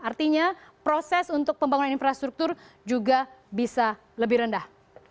artinya proses untuk pembangunan infrastruktur juga bisa lebih rendah